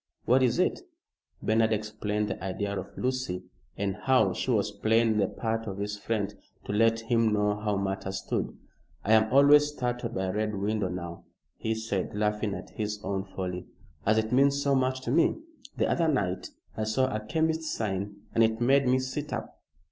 "What is it?" Bernard explained the idea of Lucy, and how she was playing the part of his friend, to let him know how matters stood. "I am always startled by a red window now," he said, laughing at his own folly, "as it means so much to me. The other night I saw a chemist's sign and it made me sit up."